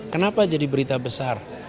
kenapa jadi berita besar